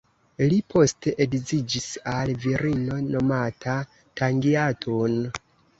Li poste edziĝis al virino nomata Tangiatun.